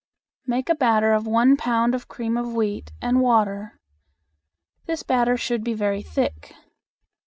Make a batter of one pound of cream of wheat and water. This batter should be very thick.